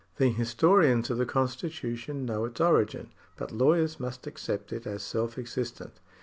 The historians of the constitution know its origin, but lawyers must accept it as self existent.